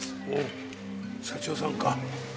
おお社長さんか。